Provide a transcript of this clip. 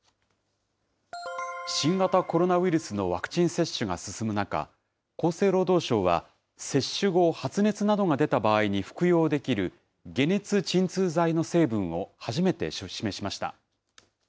新型コロナウイルスのワクチン接種が進む中、厚生労働省は、接種後、発熱などが出た場合に服用できる解熱鎮痛剤の成分を初めて示しました。